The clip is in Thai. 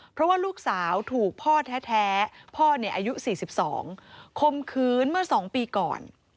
เพราะว่าลูกสาวถูกพ่อแท้พ่ออายุ๔๒คมคืนเมื่อ๒ปีก่อน